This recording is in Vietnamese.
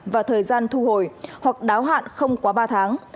và thời gian thu hồi hoặc đáo hạn không quá ba tháng